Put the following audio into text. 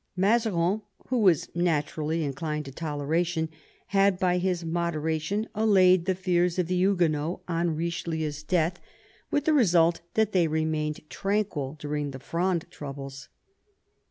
Mazarin, who was naturally inclined to toleration, had by his moderation allayed the fears of the Huguenots on Richelieu's death, with the vn SPANISH WAR AND ENGLISH ALLIANCE 127 result that they remained tranquil during the Fronde troubles.